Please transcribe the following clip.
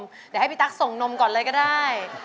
เดี๋ยวให้พี่ตั๊กส่งนมก่อนเลยก็ได้